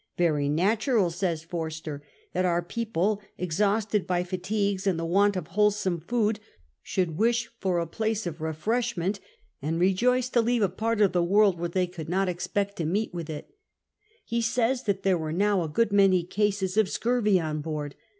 "Very natural," says Forster, " that our people, exhausted by fatigues and the want of wholesome food, should wish for a place of refresh ment^ and rejoice to leave a part of the world where VIII FORSTER^S SUFFERINGS 99 they could not expect to meet with it." He says that there were now a good many cases of scurvy on board.